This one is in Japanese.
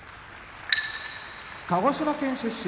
鹿児島県出身